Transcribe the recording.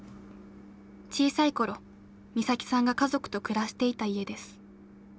小さい頃岬さんが家族と暮らしていた家です。